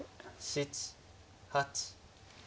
７８。